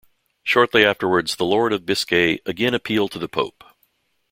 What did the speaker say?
Shortly afterwards, the Lord of Biscay again appealed to the Pope.